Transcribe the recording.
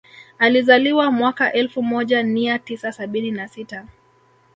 Alizaliwa mwaka elfu moja nia tisa sabini na sita